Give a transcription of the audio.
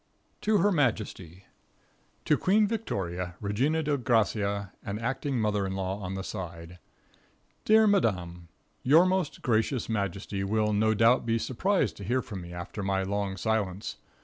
To Her Majesty. To Queen Victoria, Regina Dei Gracia and acting mother in law on the side: Dear Madame. Your most gracious majesty will no doubt be surprised to hear from me after my long silence.